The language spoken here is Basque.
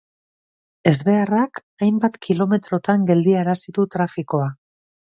Ezbeharrak hainbat kilometrotan geldiarazi du trafikoa.